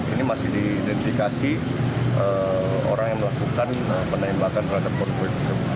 ini masih diidentifikasi orang yang melakukan penembakan rata konvoy